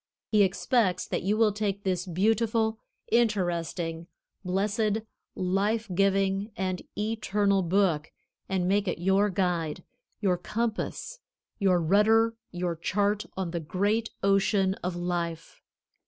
He expects that you will take this Beautiful, Interesting, Blessed, Life giving and Eternal book and make it your guide, your compass, your rudder, your chart on the great ocean of life.